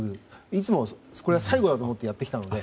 いつも、これが最後だと思ってやってきたので。